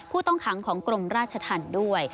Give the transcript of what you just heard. ผู้ต้องขังของกรมราชธรรมด้วย